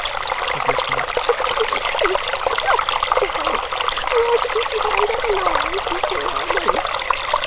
said Miss Wren. 'For goodness' sake, stop, Giant, or I shall be swallowed up alive, before I know it.